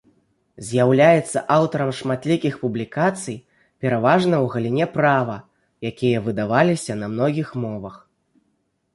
З'яўляецца аўтарам шматлікіх публікацый, пераважна ў галіне права, якія выдаваліся на многіх мовах.